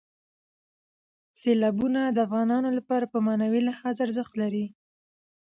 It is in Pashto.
سیلابونه د افغانانو لپاره په معنوي لحاظ ارزښت لري.